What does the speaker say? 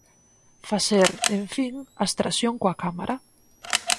Facer, en fin, abstracción coa cámara.